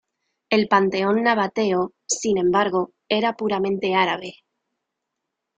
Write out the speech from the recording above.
El panteón nabateo, sin embargo, era puramente árabe.